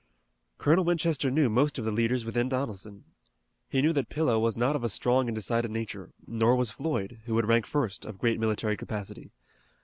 Colonel Winchester knew most of the leaders within Donelson. He knew that Pillow was not of a strong and decided nature. Nor was Floyd, who would rank first, of great military capacity.